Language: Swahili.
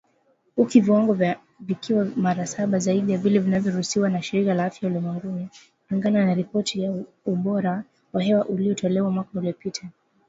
Huku viwango vikiwa mara saba zaidi ya vile vinavyoruhusiwa na Shirika la Afya Ulimwenguni, kulingana na ripoti ya ubora wa hewa iliyotolewa mwaka uliopita.